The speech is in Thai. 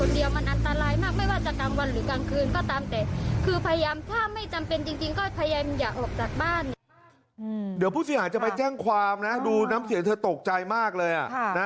เดี๋ยวผู้เสียหายจะไปแจ้งความนะดูน้ำเสียงเธอตกใจมากเลย